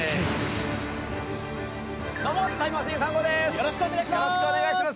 よろしくお願いします。